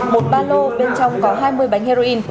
một ba lô bên trong có hai mươi bánh heroin